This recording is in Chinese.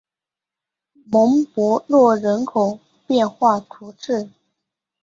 蒙博洛人口变化图示